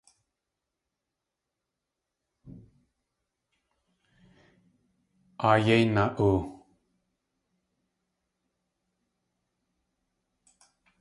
Áa yéi na.oo!